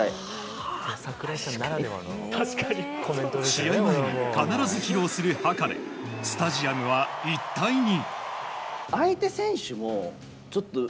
試合前に必ず披露するハカでスタジアムは一体に。